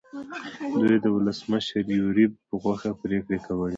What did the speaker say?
دوی د ولسمشر یوریب په خوښه پرېکړې کولې.